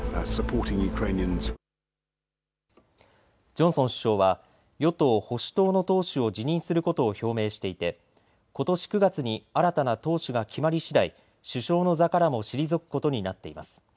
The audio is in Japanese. ジョンソン首相は与党・保守党の党首を辞任することを表明していてことし９月に新たな党首が決まりしだい首相の座からも退くことになっています。